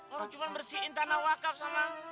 orang cuma bersihin tanah wakaf sama